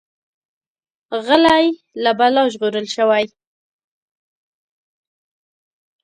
غلی، له بلا ژغورل شوی.